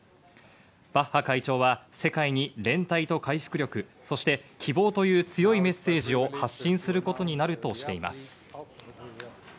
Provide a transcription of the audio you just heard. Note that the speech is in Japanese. バッハ会長は世界に連帯と回復力、そして希望という強いメッセージを発信することになるとしています。